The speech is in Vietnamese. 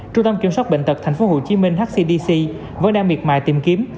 trung tâm kiểm soát bệnh tật tp hcm hcdc vẫn đang miệt mài tìm kiếm